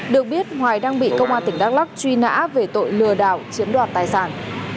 được biết hoài đang bị công an tỉnh đắk lắc truy nã về tội lừa đảo chiếm đoạt tài sản